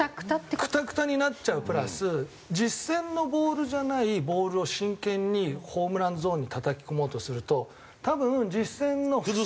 くたくたになっちゃうプラス実戦のボールじゃないボールを真剣にホームランゾーンにたたき込もうとすると多分。